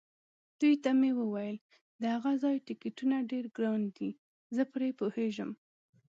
دوی ته مې وویل: د هغه ځای ټکټونه ډېر ګران دي، زه پرې پوهېږم.